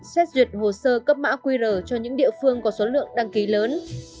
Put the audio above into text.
xét duyệt hồ sơ cấp mã qr cho những địa phương có số lượng đăng ký lớn